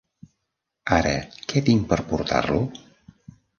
Ara, què tinc per portar-lo?